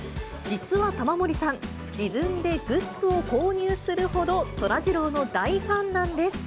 実は玉森さん、自分でグッズを購入するほどそらジローの大ファンなんです。